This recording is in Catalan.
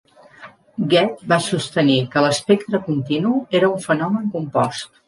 Goethe va sostenir que l'espectre continu era un fenomen compost.